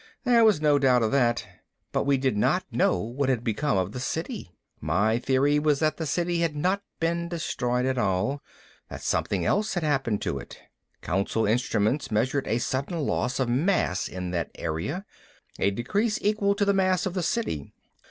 "There was no doubt of that. But we did not know what had become of the City. My theory was that the City had not been destroyed at all, that something else had happened to it. Council instruments measured a sudden loss of mass in that area, a decrease equal to the mass of the City.